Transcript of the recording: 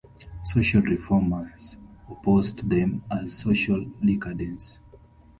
Social reformers opposed them as social decadence.